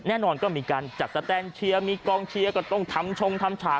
แน่นอนก็มีการจัดสแตนเชียร์มีกองเชียร์ก็ต้องทำชงทำฉาก